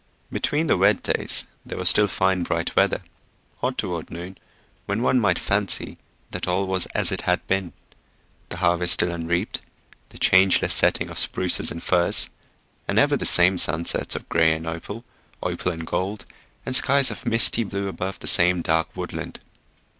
Between the wet days there was still fine bright weather, hot toward noon, when one might fancy that all was as it had been: the harvest still unreaped, the changeless setting of spruces and firs, and ever the same sunsets of gray and opal, opal and gold, and skies of misty blue above the same dark woodland.